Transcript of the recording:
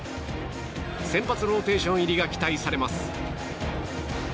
先発ローテーション入りが期待されます。